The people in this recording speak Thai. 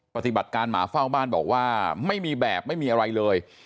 ปฏิบัติการหมาเฝ้าบ้านบอกว่าไม่มีแบบไม่มีอะไรเลย